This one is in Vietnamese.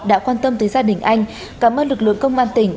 đã quan tâm tới gia đình anh cảm ơn lực lượng công an tỉnh